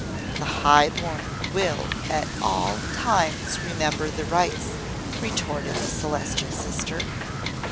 "The high born will at all times remember the Rites!" retorted the Celestial Sister.